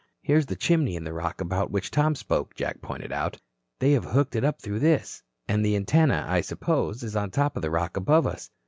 "Here is this chimney in the rock about which Tom spoke," Jack pointed out. "They have hooked up through this. And the antenna, I suppose, is on top of the rock above us.